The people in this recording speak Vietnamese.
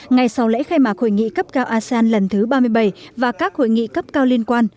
ngày sau lễ khai mạc hội nghị cấp cao asean lần thứ ba mươi bảy và các hội nghị cấp cao liên quan